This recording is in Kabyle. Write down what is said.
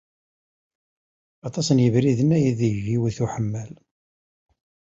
Aṭas n yebriden aydeg d-iwet uḥemmal.